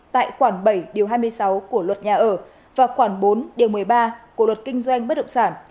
tại khoảng bảy hai mươi sáu của luật nhà ở và khoảng bốn một mươi ba của luật kinh doanh bất động sản